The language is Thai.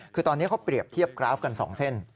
คือตอนนี้เขาเปรียบเทียบกราฟกัน๒เส้น